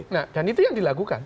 nah dan itu yang dilakukan